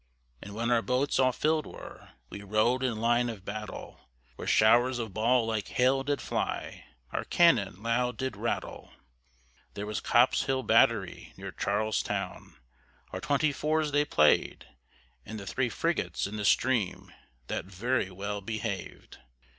And when our boats all fillèd were, We row'd in line of battle, Where showers of ball like hail did fly, Our cannon loud did rattle. There was Copps' Hill battery, near Charlestown, Our twenty fours they played; And the three frigates in the stream, That very well behaved.